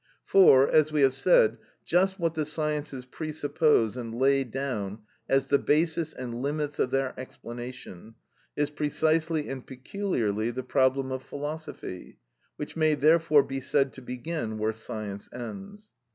For, as we have said, just what the sciences presuppose and lay down as the basis and the limits of their explanation, is precisely and peculiarly the problem of philosophy, which may therefore be said to begin where science ends.